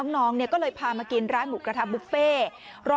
น้องก็เลยพามากินร้านหมูกระทะบุฟเฟ่